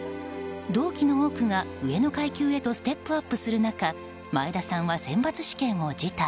同期の多くが上の階級へとステップアップする中前田さんは選抜試験を辞退。